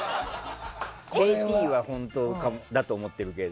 ＫＴは本当だと思ってるけど。